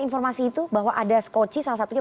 informasi itu bahwa ada skoci salah satunya